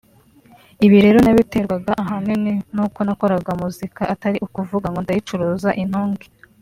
Ibi rero nabiterwaga ahanini nuko nakoraga muzika atari ukuvuga ngo ndayicuruza intunge